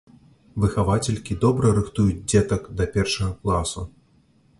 Выхавацелькі добра рыхтуюць дзетак да першага класу.